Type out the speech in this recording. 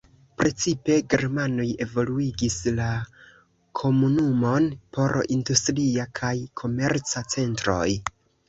Precipe germanoj evoluigis la komunumon por industria kaj komerca centroj.